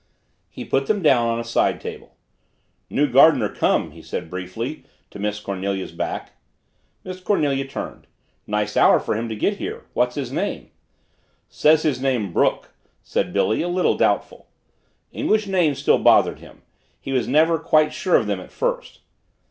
He put them down on a side table. "New gardener come," he said briefly to Miss Cornelia's back. Miss Cornelia turned. "Nice hour for him to get here. What's his name?" "Say his name Brook," said Billy, a little doubtful. English names still bothered him he was never quite sure of them at first.